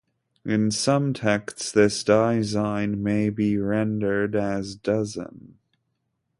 In some texts this 'dizeyne' may be rendered as 'dozen'.